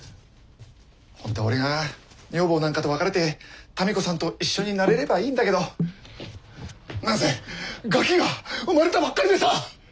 ホントは俺が女房なんかと別れて民子さんと一緒になれればいいんだけど何せガキが生まれたばっかりでさ。